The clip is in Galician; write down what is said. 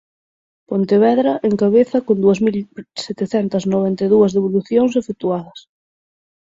Pontevedra, en cabeza, con dúas mil setecentas noventa e dúas devolucións efectuadas.